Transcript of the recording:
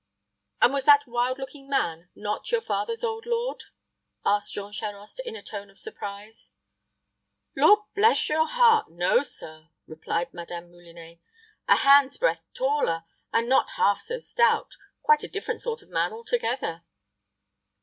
"And was that wild looking man not your father's old lord?" asked Jean Charost, in a tone of much surprise. "Lord bless your heart, no sir," replied Madame Moulinet. "A hand's breadth taller, and not half so stout quite a different sort of man altogether."